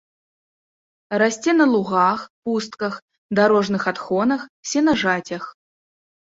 Расце на лугах, пустках, дарожных адхонах, сенажацях.